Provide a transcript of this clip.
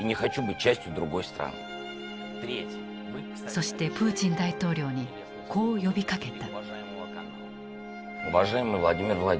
そしてプーチン大統領にこう呼びかけた。